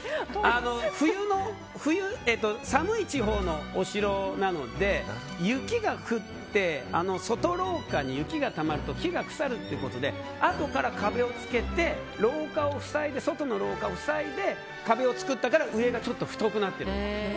冬、寒い地方のお城なので雪が降って外廊下に雪がたまると木が腐るっていうことで後から壁をつけて外の廊下を塞いで壁を作ったから上が太くなってるんですね。